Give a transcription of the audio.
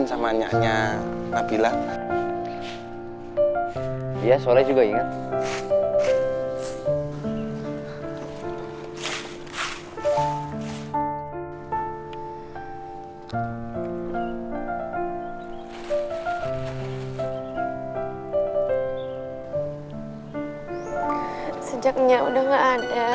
sejaknya udah enggak ada